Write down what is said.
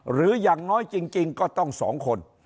หรืออย่างน้อยจริงก็ต้อง๒คน